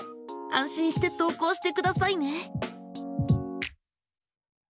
安心して投稿してくださいね！